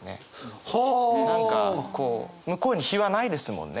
何かこう向こうに非はないですもんね